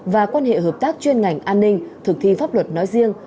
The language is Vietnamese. và quan hệ hợp tác chuyên ngành an ninh thực thi pháp luật nói riêng